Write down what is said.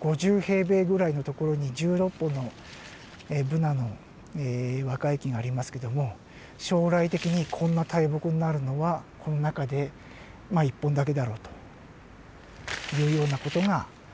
５０平米ぐらいの所に１６本のブナの若い木がありますけども将来的にこんな大木になるのはこの中でまあ１本だけだろうというような事が予測できます。